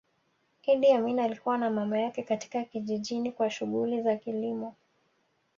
Idi Amin alikua na mama yake katika kijijini kwa shughuli za kilimo